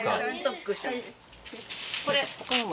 これ。